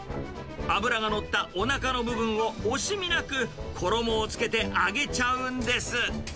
脂が乗ったおなかの部分を惜しみなく衣をつけて揚げちゃうんです。